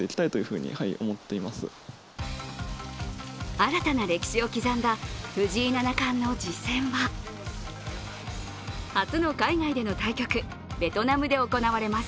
新たな歴史を刻んだ藤井七冠の次戦は初の海外での対局、ベトナムで行われます。